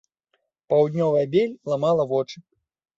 Паўднёвая бель ламала вочы.